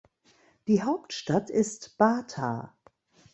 Die Hauptstadt ist Bata.